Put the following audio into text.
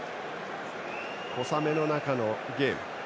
小雨の中のゲーム。